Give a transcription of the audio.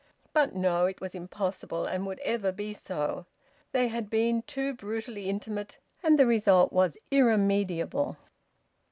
But no! It was impossible, and would ever be so. They had been too brutally intimate, and the result was irremediable.